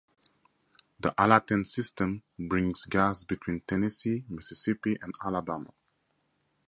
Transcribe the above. The AlaTenn system brings gas between Tennessee, Mississippi, and Alabama.